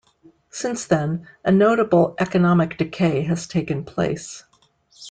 Since then, a notable economic decay has taken place.